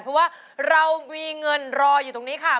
เพราะว่าเรามีเงินรออยู่ตรงนี้ค่ะ